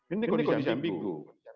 ini kondisi ambigu